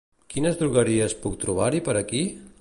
Quines drogueries puc torbar-hi per aquí?